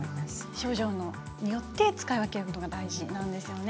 症状によって使い分けることが大事なんですよね。